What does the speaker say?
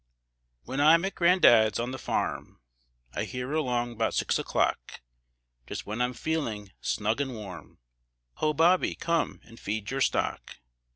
When I'm at gran'dad's on the farm, I hear along 'bout six o'clock, Just when I'm feelin' snug an' warm, "Ho, Bobby, come and feed your stock."